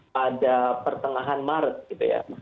pada pertengahan maret gitu ya